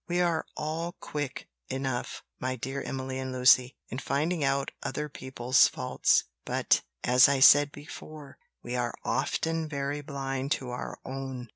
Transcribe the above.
We are all quick enough, my dear Emily and Lucy, in finding out other people's faults; but, as I said before, we are often very blind to our own."